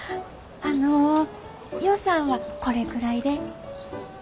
あの予算はこれくらいで。